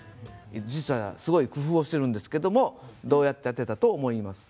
実はすごい工夫をしてるんですけどもどうやって当てたと思いますか？